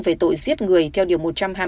về tội giết người theo điều một trăm hai mươi